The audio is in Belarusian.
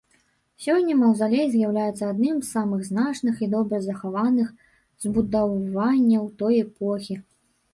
Сёння маўзалей з'яўляецца адным з самых значных і добра захаваных збудаванняў той эпохі.